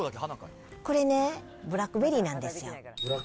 これね、ブラックベリーなんですよ。